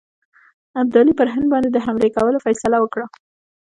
ابدالي پر هند باندي د حملې کولو فیصله وکړه.